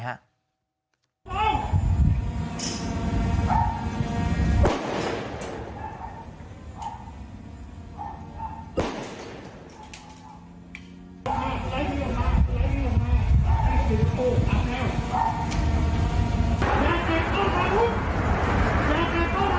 อย่าเกดก้อใบบุตร